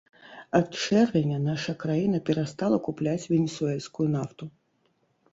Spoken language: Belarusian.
Ад чэрвеня наша краіна перастала купляць венесуэльскую нафту.